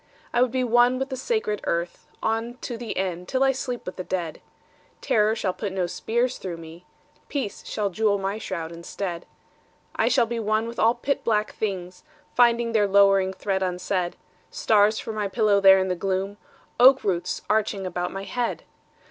I would be one with the sacred earth On to the end, till I sleep with the dead. Terror shall put no spears through me. Peace shall jewel my shroud instead. I shall be one with all pit black things Finding their lowering threat unsaid: Stars for my pillow there in the gloom,— Oak roots arching about my head!